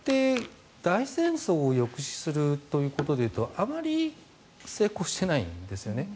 アメリカって大戦争を抑止するということでいうとあまり成功してないんですよね。